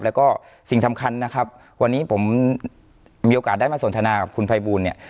แล้วก็สิ่งสำคัญนะครับวันนี้ผมมีโอกาสได้มาสนทนากับคุณภัยบูลเนี่ย